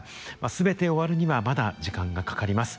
全て終わるにはまだ時間がかかります。